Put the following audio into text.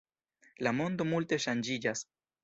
La mondo multe ŝanĝiĝas.